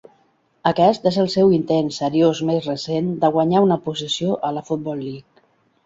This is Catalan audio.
Aquest és el seu intent seriós més recent de guanyar una posició a la Football League.